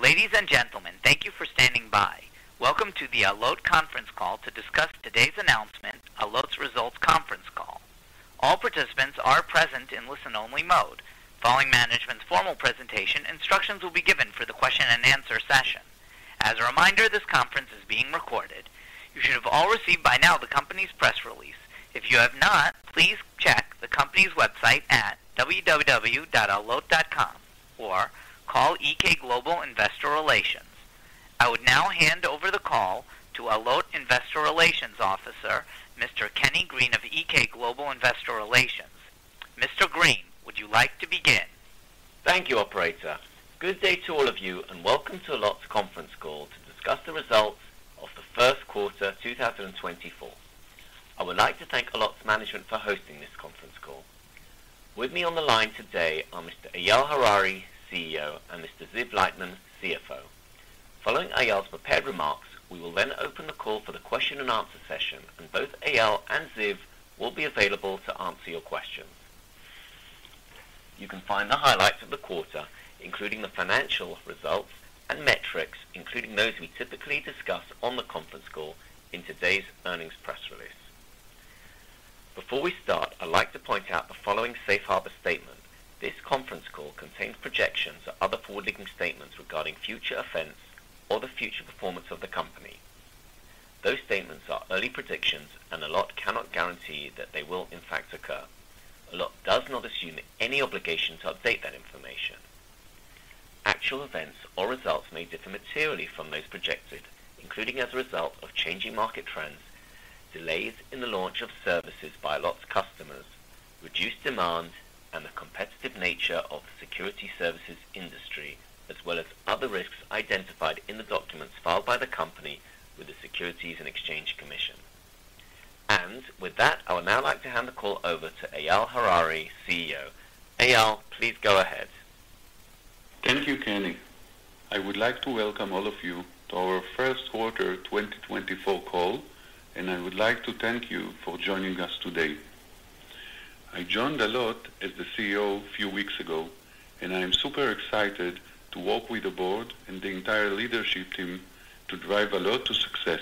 Ladies and gentlemen, thank you for standing by. Welcome to the Allot conference call to discuss today's announcement, Allot's Results conference call. All participants are present in listen-only mode. Following management's formal presentation, instructions will be given for the question and answer session. As a reminder, this conference is being recorded. You should have all received by now the company's press release. If you have not, please check the company's website at www.allot.com or call GK Investor Relations. I would now hand over the call to Allot Investor Relations Officer, Mr. Kenny Green of GK Investor Relations. Mr. Green, would you like to begin? Thank you, operator. Good day to all of you, and welcome to Allot's conference call to discuss the results of the first quarter, 2024. I would like to thank Allot's management for hosting this conference call. With me on the line today are Mr. Eyal Harari, CEO, and Mr. Ziv Leitman, CFO. Following Eyal's prepared remarks, we will then open the call for the question and answer session, and both Eyal and Ziv will be available to answer your questions. You can find the highlights of the quarter, including the financial results and metrics, including those we typically discuss on the conference call in today's earnings press release. Before we start, I'd like to point out the following safe harbor statement. This conference call contains projections or other forward-looking statements regarding future events or the future performance of the company. Those statements are early predictions, and Allot cannot guarantee that they will, in fact, occur. Allot does not assume any obligation to update that information. Actual events or results may differ materially from those projected, including as a result of changing market trends, delays in the launch of services by Allot's customers, reduced demand, and the competitive nature of the security services industry, as well as other risks identified in the documents filed by the company with the Securities and Exchange Commission. And with that, I would now like to hand the call over to Eyal Harari, CEO. Eyal, please go ahead. Thank you, Kenny. I would like to welcome all of you to our first quarter 2024 call, and I would like to thank you for joining us today. I joined Allot as the CEO a few weeks ago, and I am super excited to work with the board and the entire leadership team to drive Allot to success.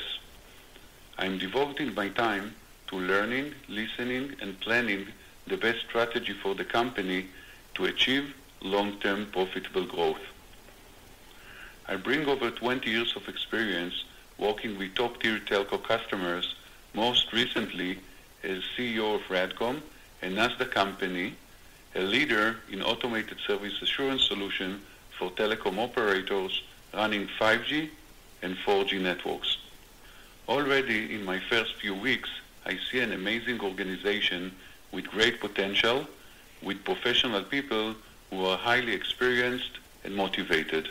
I am devoting my time to learning, listening, and planning the best strategy for the company to achieve long-term, profitable growth. I bring over 20 years of experience working with top-tier telco customers, most recently as CEO of RADCOM, a Nasdaq company, a leader in automated service assurance solution for telecom operators running 5G and 4G networks. Already in my first few weeks, I see an amazing organization with great potential, with professional people who are highly experienced and motivated.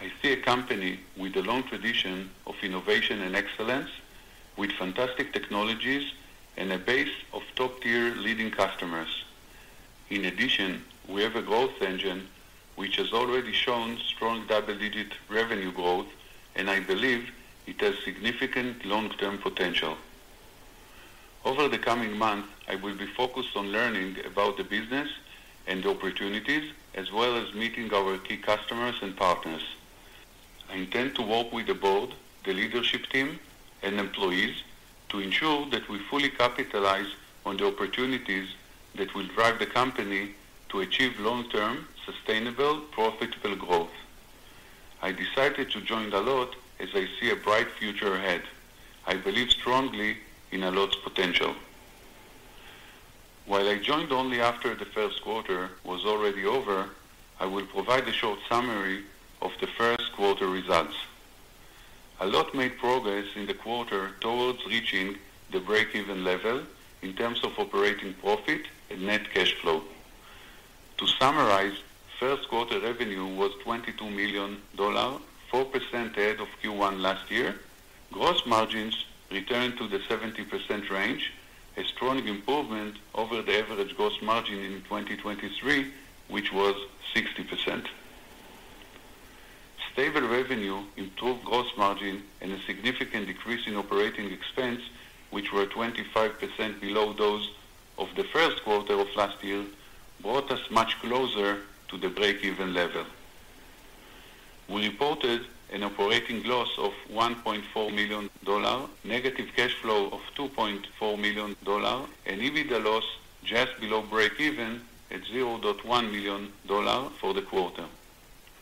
I see a company with a long tradition of innovation and excellence, with fantastic technologies and a base of top-tier leading customers. In addition, we have a growth engine, which has already shown strong double-digit revenue growth, and I believe it has significant long-term potential. Over the coming months, I will be focused on learning about the business and the opportunities, as well as meeting our key customers and partners. I intend to work with the board, the leadership team, and employees to ensure that we fully capitalize on the opportunities that will drive the company to achieve long-term, sustainable, profitable growth. I decided to join Allot as I see a bright future ahead. I believe strongly in Allot's potential. While I joined only after the first quarter was already over, I will provide a short summary of the first quarter results. Allot made progress in the quarter towards reaching the break-even level in terms of operating profit and net cash flow. To summarize, first quarter revenue was $22 million, 4% ahead of Q1 last year. Gross margins returned to the 70% range, a strong improvement over the average gross margin in 2023, which was 60%. Stable revenue, improved gross margin, and a significant decrease in operating expense, which were 25% below those of the first quarter of last year, brought us much closer to the break-even level. We reported an operating loss of $1.4 million, negative cash flow of $2.4 million, and EBITDA loss just below break-even at $0.1 million for the quarter.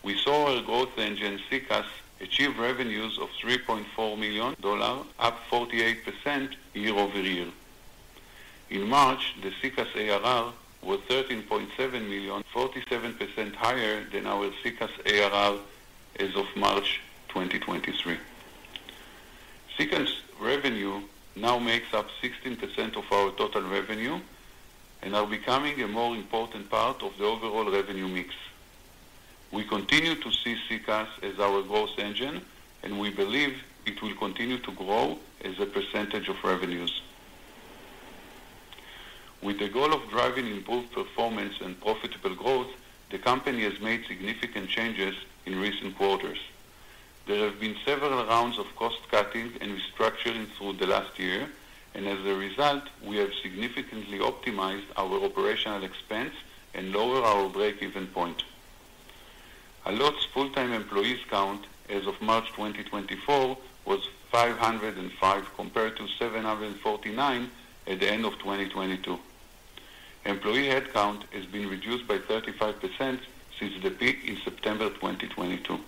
We saw our growth engine, SECaaS, achieve revenues of $3.4 million, up 48% year-over-year. In March, the SECaaS ARR was $13.7 million, 47% higher than our SECaaS ARR as of March 2023. SECaaS revenue now makes up 16% of our total revenue and are becoming a more important part of the overall revenue mix. We continue to see SECaaS as our growth engine, and we believe it will continue to grow as a percentage of revenues. With the goal of driving improved performance and profitable growth, the company has made significant changes in recent quarters. There have been several rounds of cost cutting and restructuring through the last year, and as a result, we have significantly optimized our operating expense and lower our break-even point. Allot's full-time employees count as of March 2024 was 505, compared to 749 at the end of 2022. Employee headcount has been reduced by 35% since the peak in September 2022.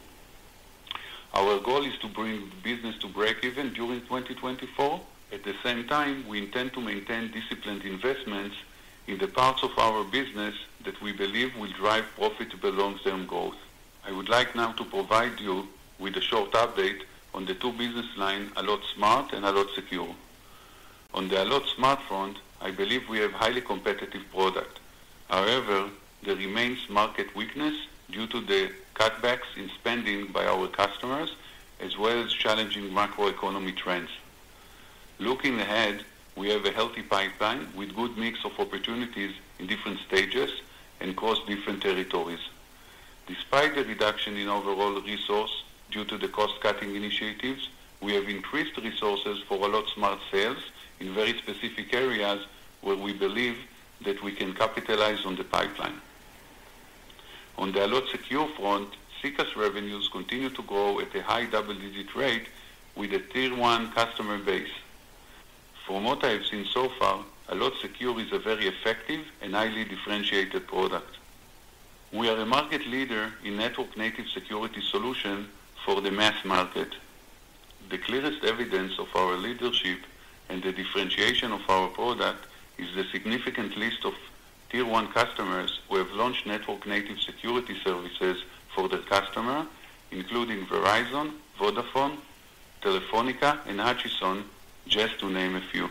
Our goal is to bring the business to breakeven during 2024. At the same time, we intend to maintain disciplined investments in the parts of our business that we believe will drive profitable long-term growth. I would like now to provide you with a short update on the two business lines, Allot Smart and Allot Secure. On the Allot Smart front, I believe we have highly competitive product. However, there remains market weakness due to the cutbacks in spending by our customers, as well as challenging macroeconomic trends. Looking ahead, we have a healthy pipeline with good mix of opportunities in different stages and across different territories. Despite the reduction in overall resources due to the cost-cutting initiatives, we have increased resources for Allot Smart sales in very specific areas where we believe that we can capitalize on the pipeline. On the Allot Secure front, SECaaS revenues continue to grow at a high double-digit rate with a tier one customer base. From what I have seen so far, Allot Secure is a very effective and highly differentiated product. We are a market leader in network-native security solution for the mass market. The clearest evidence of our leadership and the differentiation of our product is the significant list of tier one customers who have launched network-native security services for their customers, including Verizon, Vodafone, Telefonica, and Hutchison, just to name a few.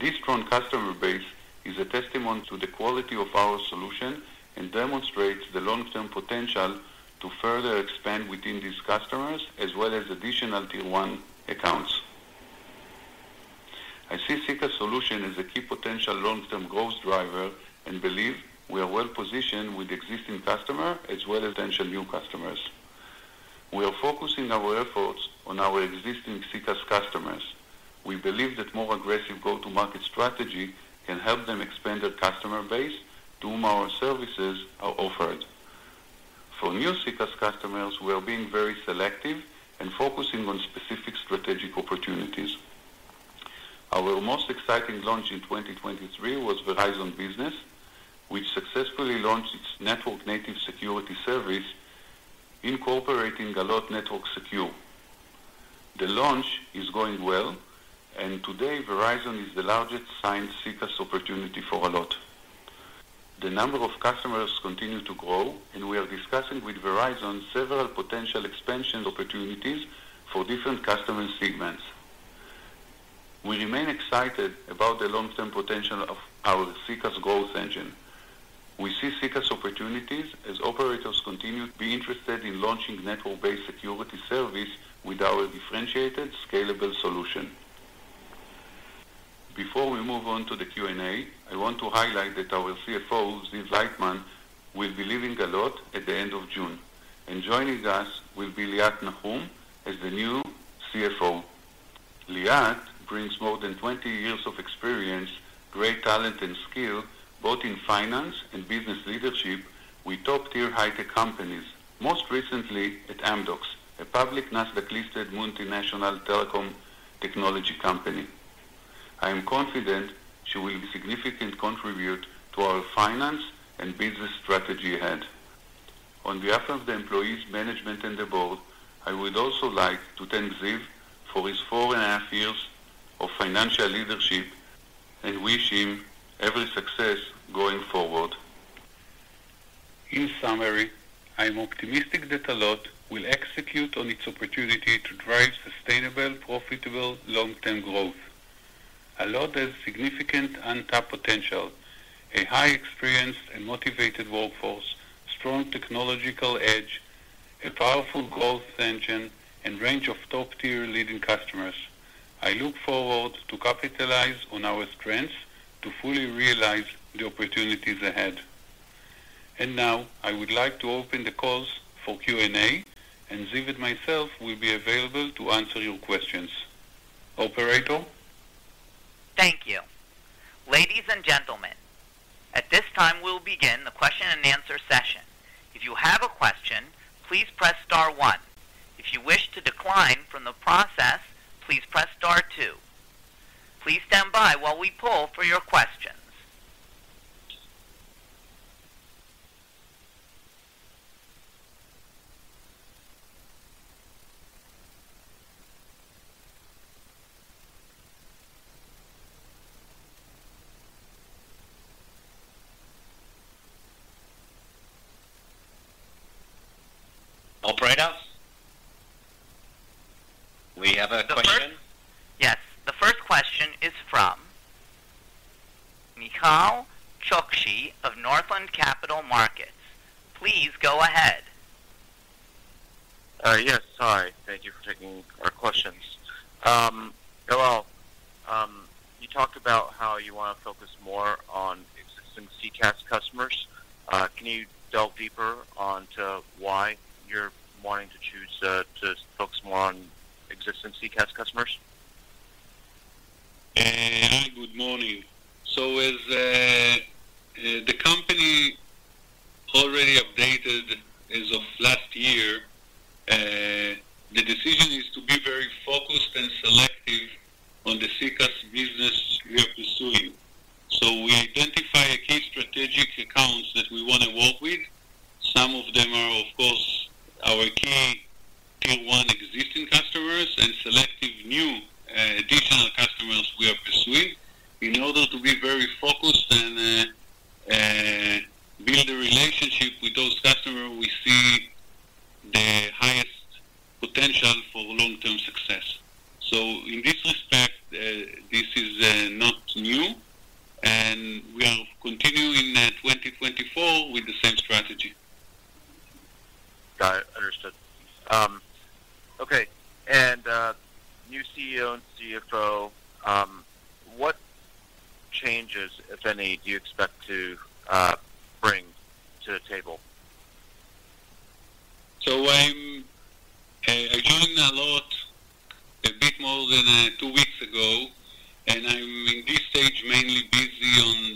This strong customer base is a testament to the quality of our solution and demonstrates the long-term potential to further expand within these customers, as well as additional Tier 1 accounts. I see SECaaS solution as a key potential long-term growth driver and believe we are well positioned with existing customer as well as potential new customers. We are focusing our efforts on our existing SECaaS customers. We believe that more aggressive go-to-market strategy can help them expand their customer base, to whom our services are offered. For new SECaaS customers, we are being very selective and focusing on specific strategic opportunities. Our most exciting launch in 2023 was Verizon Business, which successfully launched its network-native security service, incorporating Allot Network Secure. The launch is going well, and today Verizon is the largest signed SECaaS opportunity for Allot. The number of customers continue to grow, and we are discussing with Verizon several potential expansion opportunities for different customer segments. We remain excited about the long-term potential of our SECaaS growth engine. We see SECaaS opportunities as operators continue to be interested in launching network-based security service with our differentiated, scalable solution. Before we move on to the Q&A, I want to highlight that our CFO, Ziv Leitman, will be leaving Allot at the end of June, and joining us will be Liat Nahum as the new CFO. Liat brings more than 20 years of experience, great talent, and skill, both in finance and business leadership with top-tier high-tech companies, most recently at Amdocs, a public NASDAQ-listed multinational telecom technology company. I am confident she will significantly contribute to our finance and business strategy ahead. On behalf of the employees, management, and the board, I would also like to thank Ziv for his 4.5 years of financial leadership and wish him every success going forward. In summary, I am optimistic that Allot will execute on its opportunity to drive sustainable, profitable, long-term growth. Allot has significant untapped potential, a highly experienced and motivated workforce, strong technological edge, a powerful growth engine, and range of top-tier leading customers. I look forward to capitalize on our strengths to fully realize the opportunities ahead. Now, I would like to open the call for Q&A, and Ziv and myself will be available to answer your questions. Operator? Thank you. Ladies and gentlemen, at this time, we'll begin the question-and-answer session. If you have a question, please press star one. If you wish to decline from the process, please press star two. Please stand by while we poll for your questions. Operator, we have a question? Yes. The first question is from Nehal Chokshi of Northland Capital Markets. Please go ahead. Yes, sorry. Thank you for taking our questions. You talked about how you want to focus more on existing SECaaS customers. Can you delve deeper onto why you're wanting to choose to focus more on existing SECaaS customers? Hi, good morning. So as the company already updated as of last year, the decision is to be very focused and selective on the SECaaS business we are pursuing. So we identify a key strategic accounts that we want to work with. Some of them are, of course, our key tier one existing customers and selective new additional customers we are pursuing, in order to be very focused and build a relationship with those customers we see the highest potential for long-term success. So in this respect, this is not new, and we are continuing 2024 with the same strategy. Got it. Understood. Okay, and new CEO and CFO, what changes, if any, do you expect to bring to the table? So I joined Allot a bit more than two weeks ago, and I'm in this stage, mainly busy on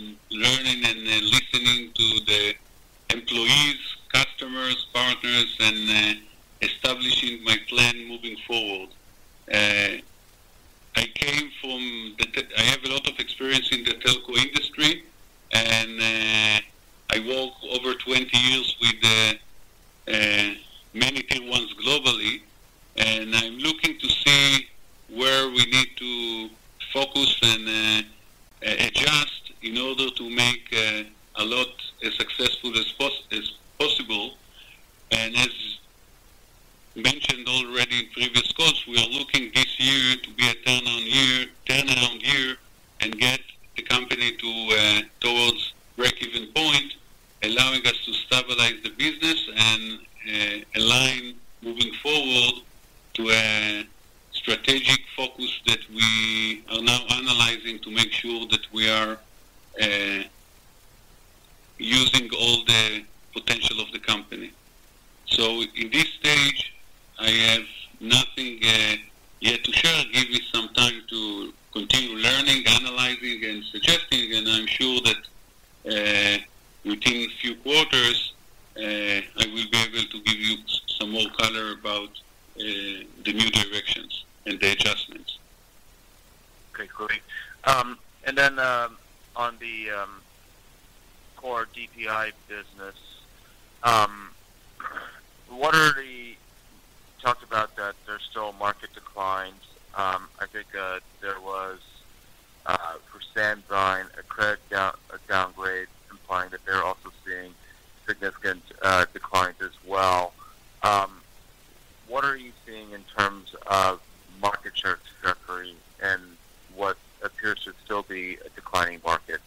be a turn-on year, turnaround year, and get the company to towards break-even point, allowing us to stabilize the business and align moving forward to a strategic focus that we are now analyzing to make sure that we are using all the potential of the company. In this stage, I have nothing yet to share. Give me some time to continue learning, analyzing, and suggesting, and I'm sure that within a few quarters, I will be able to give you some more color about the new directions and the adjustments. Okay, great. And then, on the core DPI business, what are the... You talked about that there's still market declines. I think, there was, for Sandvine, a credit down, a downgrade, implying that they're also seeing significant, declines as well. What are you seeing in terms of market share trajectory and what appears to still be a declining market?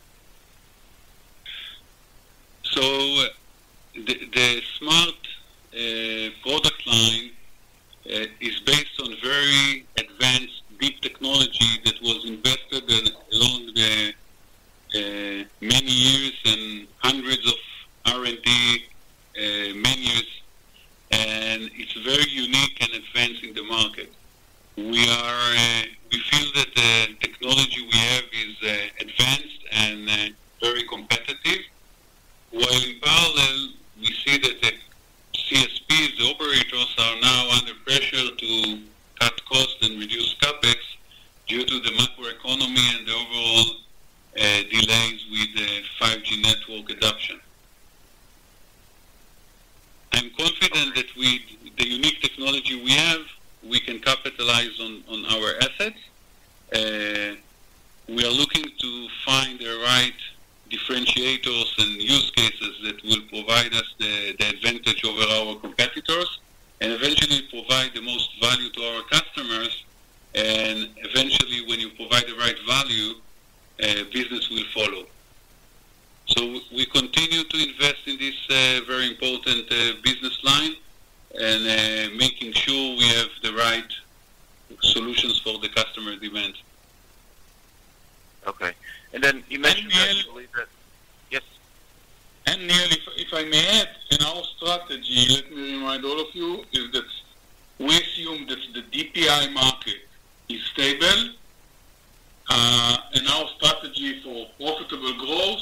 and our strategy for profitable growth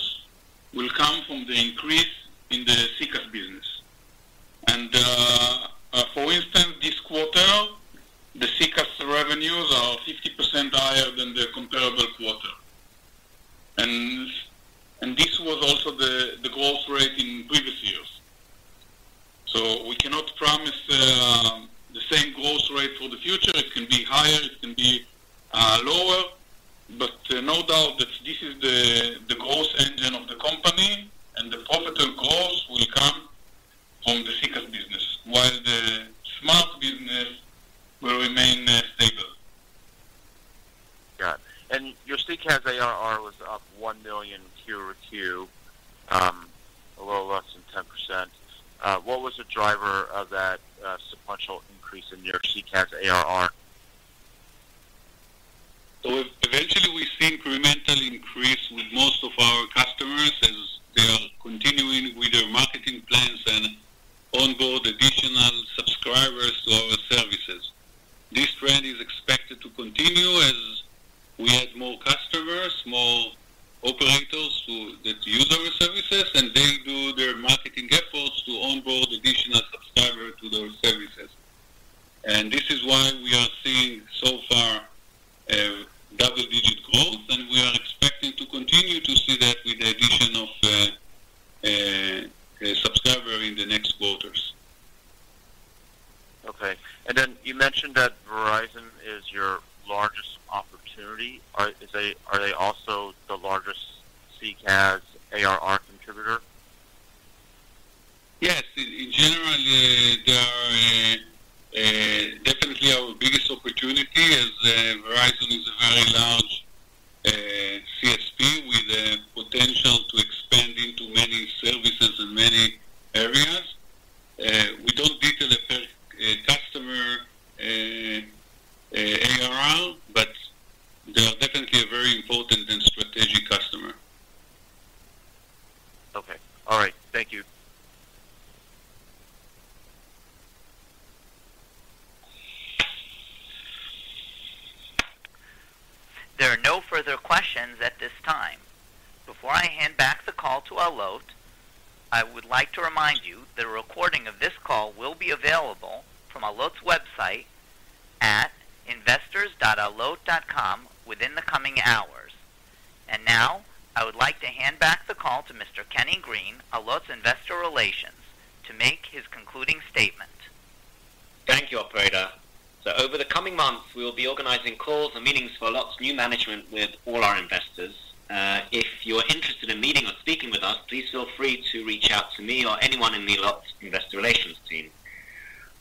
will come from the increase in the SECaaS business. And for instance, this quarter, the SECaaS revenues are 50% higher than the comparable quarter. And this was also the growth rate in previous years. So we cannot promise the same growth rate for the future. It can be higher, it can be lower, but no doubt that this is the growth engine of the company, and the profitable growth will come from the SECaaS business, while the Smart business will remain stable. Got it. And your SECaaS ARR was up $1 million quarter-over-quarter. A little less than 10%. What was the driver of that sequential increase in your SECaaS ARR? So eventually, we see incremental increase with most of our customers as they are continuing with their marketing plans and onboard additional subscribers to our services. This trend is expected to continue as we add more customers, more operators that use our services, and they do their marketing efforts to onboard additional subscribers to those services. And this is why we are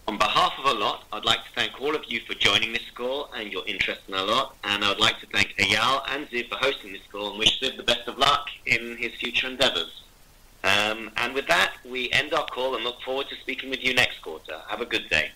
On behalf of Allot, I'd like to thank all of you for joining this call and your interest in Allot, and I would like to thank Eyal and Ziv for hosting this call, and wish Ziv the best of luck in his future endeavors. And with that, we end our call and look forward to speaking with you next quarter. Have a good day.